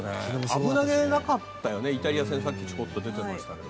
危なげなかったよねイタリア戦さっきちょこっと出てましたけど。